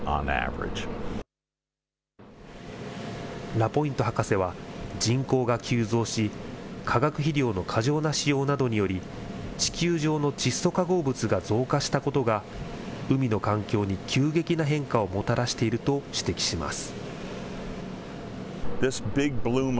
ラポイント博士は、人口が急増し、化学肥料の過剰な使用などにより、地球上の窒素化合物が増加したことが、海の環境に急激な変化をもたらしていると指摘します。